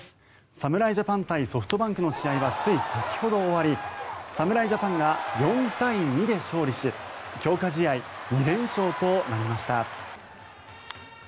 侍ジャパン対ソフトバンクの試合は、つい先ほど終わり侍ジャパンが４対２で勝利し強化試合２連勝となりました。